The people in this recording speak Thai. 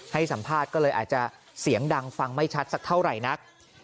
ให้สัมภาษณ์ก็เลยอาจจะเสียงดังฟังไม่ชัดสักเท่าไหร่นัก